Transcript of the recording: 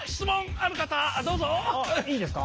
あっいいですか？